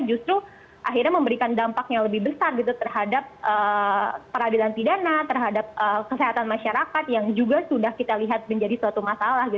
justru akhirnya memberikan dampak yang lebih besar gitu terhadap peradilan pidana terhadap kesehatan masyarakat yang juga sudah kita lihat menjadi suatu masalah